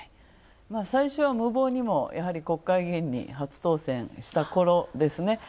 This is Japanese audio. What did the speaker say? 最初は無謀にも国会議員に初当選したころですね。